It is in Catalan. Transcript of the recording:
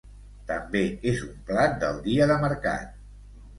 També és un plat del dia de mercat